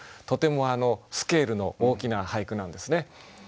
とてもスケールの大きな俳句なんですね。